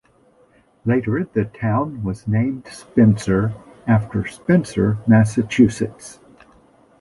Later the town was named Spencer, after Spencer, Massachusetts.